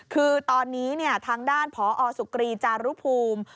คือตอนนี้ทางด้านพอสุกรีจารุภูมิ